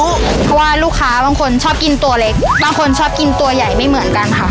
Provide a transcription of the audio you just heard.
เพราะว่าลูกค้าบางคนชอบกินตัวเล็กบางคนชอบกินตัวใหญ่ไม่เหมือนกันค่ะ